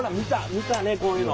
見たねこういうの。